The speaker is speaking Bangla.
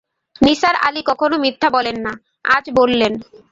নিসার আলি কখনো মিথ্যা বলেন না-আজ বললেন।